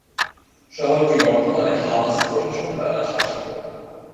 শহরটি বর্তমানে হামাস প্রশাসন দ্বারা শাসিত।